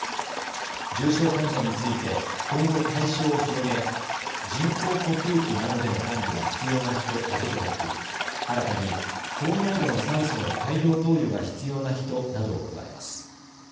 重症患者について、今後対象を広げ人工呼吸器などでの管理が必要な人だけでなく新たに高濃度の酸素の大量投与が必要な人などを加えます。